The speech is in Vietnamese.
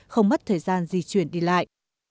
không mất thời gian di chuyển đi lại